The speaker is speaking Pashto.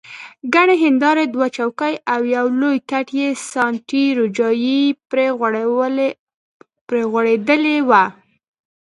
ګڼې هندارې، دوه چوکۍ او یو لوی کټ چې ساټني روجایې پرې غوړېدلې وه.